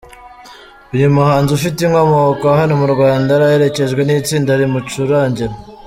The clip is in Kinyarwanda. Uyu muhanzi ufite inkomoko hano mu Rwanda yari aherekejwe n’itsinda rimucurangira.